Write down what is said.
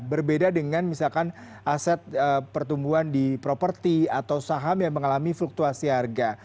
berbeda dengan misalkan aset pertumbuhan di properti atau saham yang mengalami fluktuasi harga